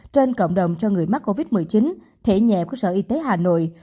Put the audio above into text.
trên cộng đồng cho người mắc covid một mươi chín thể nhẹ cơ sở y tế hà nội